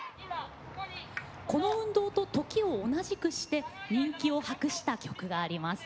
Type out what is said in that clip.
この運動と時を同じくして人気を博した曲があります。